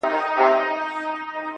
په ښکارپورۍ سترگو کي، راته گلاب راکه,